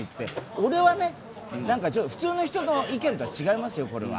俺はね、普通の人の意見とは違いますよ、これは。